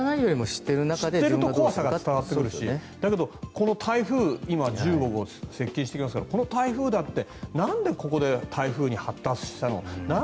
知っていると怖さが伝わってくるしでも、台風今、１５号が接近してますけどこの台風だってなんでここで台風に発達したのかな